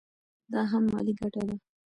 دا هم مالي ګټه ده.